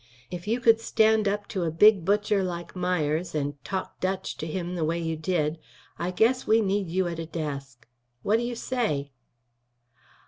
If you could stand up to a big butcher like Myers and talk Dutch to him the way you did, I guess we need you at a desk. What do you say?"